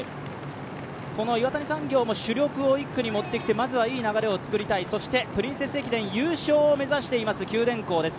この岩谷産業も主力を１区に持ってきてまずはいい流れをつくりたい、そしてプリンセス駅伝優勝を目指しています九電工です。